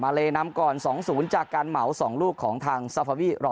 มาเลนำก่อน๒ศูนย์จากการเหาสองลูกของทางซาฟาวีรอ